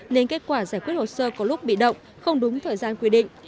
nên kết quả giải quyết hồ sơ có lúc bị động không đúng thời gian quy định